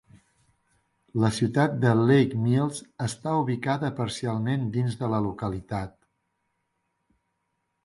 La ciutat de Lake Mills està ubicada parcialment dins de la localitat.